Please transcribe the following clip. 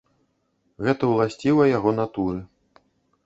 Гэта ўласціва яго натуры.